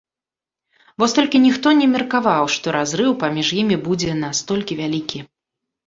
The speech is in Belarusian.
Вось толькі ніхто не меркаваў, што разрыў паміж імі будзе настолькі вялікі.